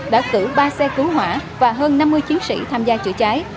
đã cử ba xe cứu hỏa và hơn năm mươi chiến sĩ tham gia chữa cháy